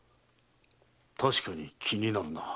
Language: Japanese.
確かに気になるな。